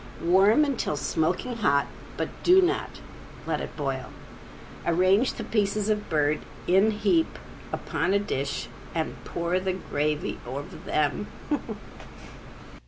Warm until smoking hot, but do not let it boil. Arrange the pieces of bird in heap upon a dish and pour the gravy over them.